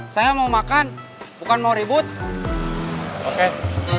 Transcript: saya mau mencari teman teman yang lebih baik untuk menjaga kemampuan saya